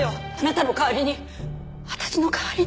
私の代わりに。